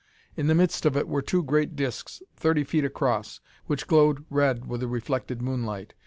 In the midst of it were two great discs, thirty feet across, which glowed red with the reflected moonlight.